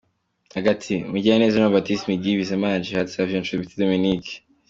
Hagati: Mugiraneza Jean Baptiste Migi, Bizamana Djihad, Savio Nshuti Dominique.